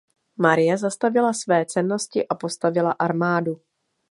Marie zastavila své cennosti a postavila armádu.